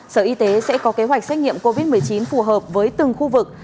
sở y tế sẽ có kế hoạch xét nghiệm covid một mươi chín phù hợp với từng khu vực